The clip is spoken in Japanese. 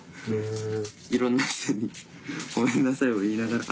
いろんな人にごめんなさいを言いながら。